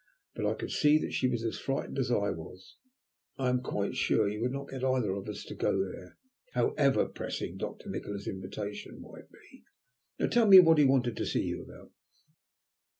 "But I could see that she was as frightened as I was. I am quite sure you would not get either of us to go there, however pressing Doctor Nikola's invitation might be. Now tell me what he wanted to see you about."